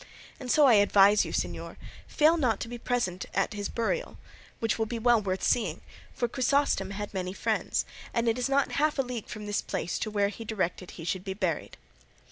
And so I advise you, señor, fail not to be present to morrow at his burial, which will be well worth seeing, for Chrysostom had many friends, and it is not half a league from this place to where he directed he should be buried."